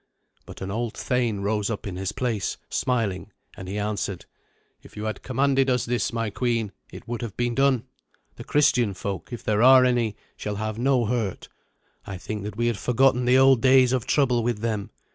But an old thane rose up in his place, smiling, and he answered, "If you had commanded us this, my queen, it would have been done. The Christian folk, if there are any, shall have no hurt. I think that we had forgotten the old days of trouble with them.